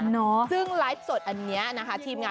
นุ่นใหญ่สวัสดีค่ะ